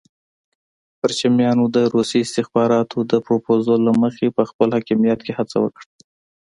پرچمیانو د روسي استخباراتو د پرپوزل له مخې په خپل حاکمیت کې هڅه وکړه.